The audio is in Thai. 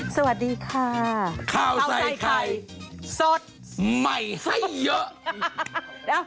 สนับสนุนโดย